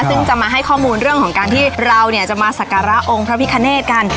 ซึ่งจะมาให้ข้อมูลเรื่องของการที่เราจะมาสักการะองค์พระพิคเนธกัน